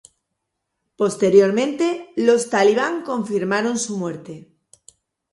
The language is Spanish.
Posteriormente los talibán confirmaron su muerte.